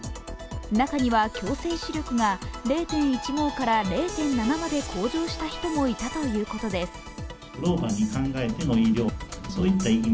中には矯正視力が０．１５から０．７まで向上した人もいたということです。